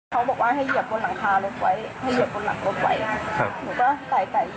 เขาบอกว่าให้เหยียบบนหลังคารถไว้ให้เหยียบบนหลังรถไว้หนูก็ไต่